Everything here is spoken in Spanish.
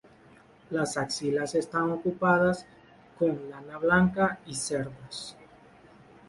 Las axilas están ocupadas con lana blanca y cerdas.